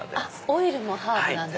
オイルもハーブなんですか。